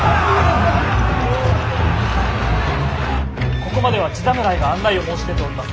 ここまでは地侍が案内を申し出ておりまする。